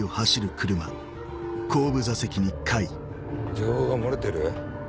情報が漏れてる？